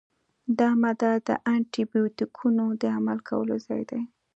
دا ماده د انټي بیوټیکونو د عمل کولو ځای دی.